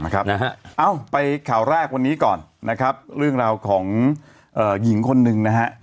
เอาไปข่าวแรกวันนี้ก่อนนะครับเรื่องราวของหญิงคนหนึ่งนะฮะ